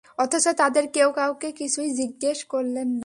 অথচ তাদের কেউ কাউকে কিছুই জিজ্ঞেস করলেন না।